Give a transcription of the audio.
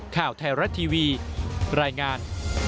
ข่าวไทยรัฐทีวีรายงาน